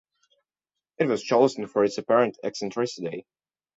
It was chosen for its apparent eccentricity.